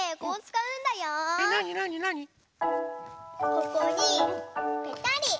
ここにぺたり。